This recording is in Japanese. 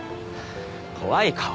怖い顔。